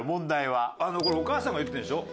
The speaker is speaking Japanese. これお母さんが言ってるんでしょ？